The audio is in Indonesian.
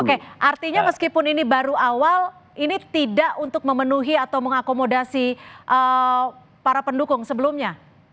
oke artinya meskipun ini baru awal ini tidak untuk memenuhi atau mengakomodasi para pendukung sebelumnya